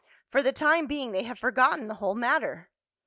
For the time being they have forgotten the whole matter.